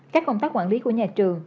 các công tác quản lý của nhà trường